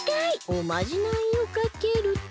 おまじないをかけると。